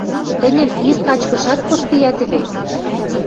Тӹньӹн ир качкышат поспея теве...